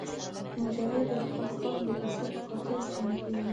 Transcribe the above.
مجاهد د خپل قوم د عزت خاطر جنګېږي.